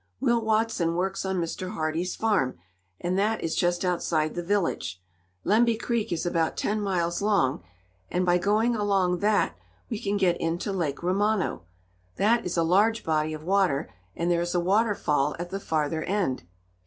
"Will Watson works on Mr. Hardee's farm, and that is just outside the village. Lemby Creek is about ten miles long, and by going along that we can get into Lake Romano. That is a large body of water, and there is a waterfall at the farther end."